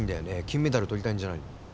金メダルとりたいんじゃないの？